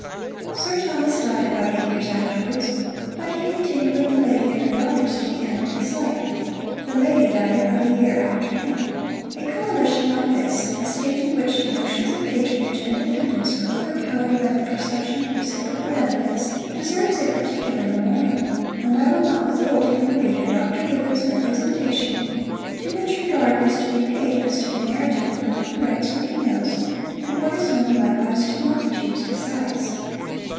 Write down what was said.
Sir Thomas died about eight years afterwards; but he continued with the lady and her daughters to the end of his life. The lady died about a year after him. A coalition like this, a state in which the notions of patronage And dependence were overpowered by the perception of reciprocal benefits, deserves a particular memorial; and I will not withhold from the reader Dr. Gibbons's representation, to which regard is to be paid as to the narrative of one who writes what he knows, and what is known likewise to multitudes besides.